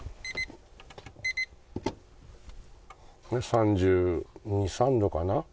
３２３３度かな？